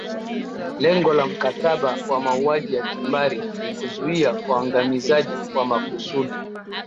lengo la mkataba wa mauaji ya kimbari ni kuzuia uangamizaji wa makusudi